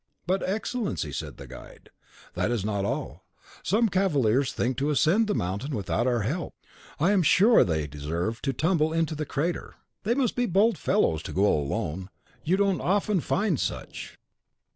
"But, Excellency," said the guide, "that is not all: some cavaliers think to ascend the mountain without our help. I am sure they deserve to tumble into the crater." "They must be bold fellows to go alone; you don't often find such."